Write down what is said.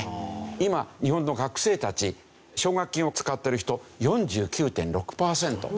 今日本の学生たち奨学金を使っている人４９．６パーセント。